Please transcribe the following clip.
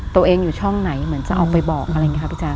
ตัวเองอยู่ช่องไหนจะออกไปบอกอะไรอย่างนี้ครับอิจารณ์